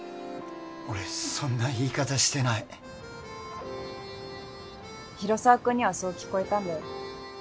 俺そんな言い方してない広沢君にはそう聞こえたんだよ